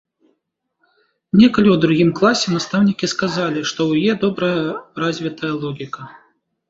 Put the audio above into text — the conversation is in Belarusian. Некалі ў другім класе настаўнікі сказалі, што ў яе добра развітая логіка.